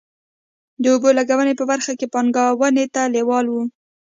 د اوبو لګونې په برخه کې پانګونې ته لېواله وو.